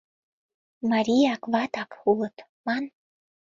Марияк-ватак улыт ман...